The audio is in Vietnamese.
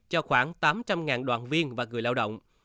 cho khoảng tám trăm linh đoàn viên và người lao động